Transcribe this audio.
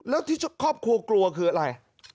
แล้วที่ครอบครัวกลัวคืออะไร